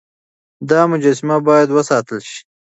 دا مجسمه بايد وساتل شي.